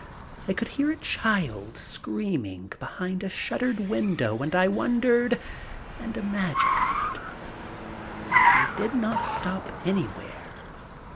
I could hear a child screaming behind a shuttered window and I wondered and imagined, but we did not stop anywhere.